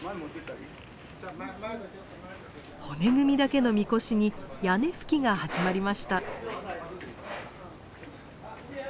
骨組みだけの神輿に屋根葺きが始まりました。